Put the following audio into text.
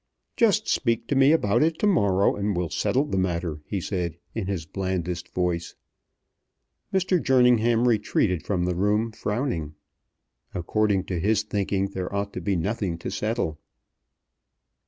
"Just speak to me about it to morrow and we'll settle the matter," he said, in his blandest voice. Mr. Jerningham retreated from the room frowning. According to his thinking there ought to be nothing to settle.